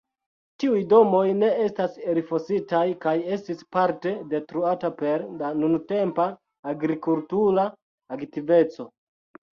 Tiuj domoj ne estas elfositaj kaj estis parte detruata per la nuntempa agrikultura aktiveco.